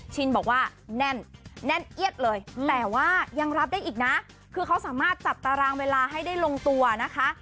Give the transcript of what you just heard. ชินบอกว่าแน่นแน่นเอียดเลยแต่ว่ายังรับได้อีกนะคือเขาสามารถจับตารางเวลาให้ได้ลงตัวนะคะ